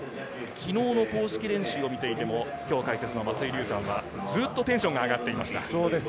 昨日の公式練習を見ていても、松井立さんはずっとテンションが上がっていました。